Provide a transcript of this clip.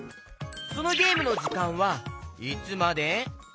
そのゲームのじかんはいつまで？